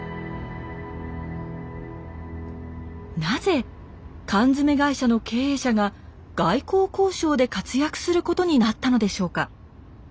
なぜ缶詰会社の経営者が外交交渉で活躍することになったのでしょうか。